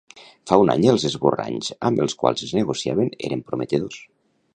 Fa un any els esborranys amb els quals es negociaven eren prometedors.